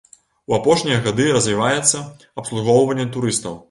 У апошнія гады развіваецца абслугоўванне турыстаў.